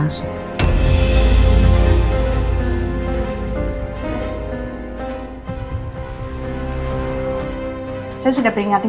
eh kalau throat nya bisa